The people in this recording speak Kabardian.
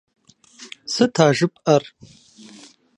Сыт а жыпӀэр?!